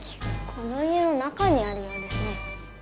この家の中にあるようですね。